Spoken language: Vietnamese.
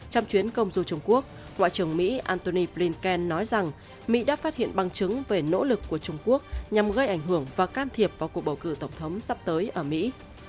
trong chuyến công du trung quốc ngoại trưởng mỹ antony blinken nói rằng mỹ đã phát hiện bằng chứng về nỗ lực của trung quốc nhằm gây ảnh hưởng và can thiệp vào cuộc bầu cử tổng thống sắp tới ở mỹ